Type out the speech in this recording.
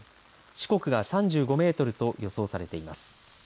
四国が３５メートルと予想されています。